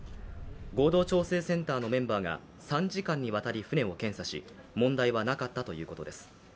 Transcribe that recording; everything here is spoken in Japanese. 合同調整センターのメンバーが３時間にわたり船を調査し問題はなかったということです。